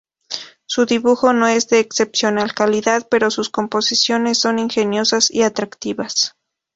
Su dibujo no es de excepcional calidad, pero sus composiciones son ingeniosas y atractivas.